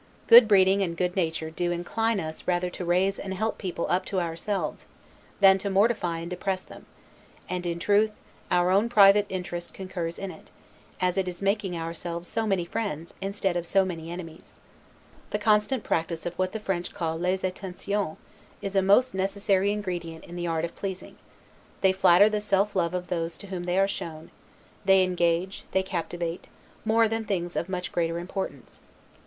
Good breeding, and good nature, do incline us rather to raise and help people up to ourselves, than to mortify and depress them, and, in truth, our own private interest concurs in it, as it is making ourselves so many friends, instead of so many enemies. The constant practice of what the French call 'les Attentions', is a most necessary ingredient in the art of pleasing; they flatter the self love of those to whom they are shown; they engage, they captivate, more than things of much greater importance.